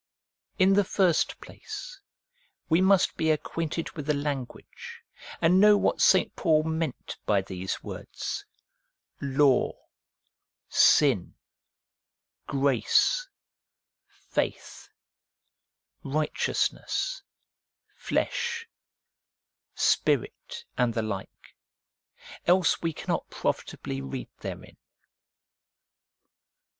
In the first place, we must be acquainted with the language, and know what St. Paul meant by these words : Law, Sin, Grace, Faith, Righteousness, Flesh, Spirit, and the like ; else we cannot profitably read therein.